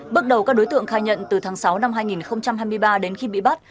bước đầu các đối tượng khai nhận từ tháng sáu năm hai nghìn hai mươi ba đến khi bị bắt